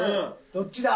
どっちだ？